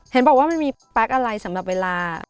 เห็นบอกว่ามันมีแป๊กอะไรสำหรับเวลา